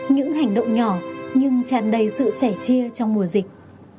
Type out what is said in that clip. những hành động nhỏ nhưng tràn đầy sự sẻ chia trong mùa dịch